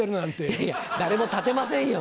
いやいや誰も建てませんよ。